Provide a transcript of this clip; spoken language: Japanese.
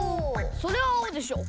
それはあおでしょ。